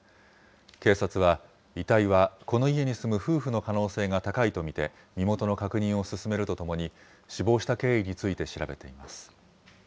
警察は、遺体はこの家に住む夫婦の可能性が高いと見て、身元の確認を進めるとともに、死亡した経緯について調べています。